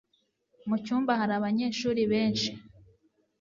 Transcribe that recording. Mucyumba hari abanyeshuri benshi.